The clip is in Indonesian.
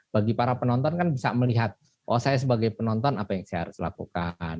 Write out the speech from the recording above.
bagi para penonton kan bisa melihat oh saya sebagai penonton apa yang saya harus lakukan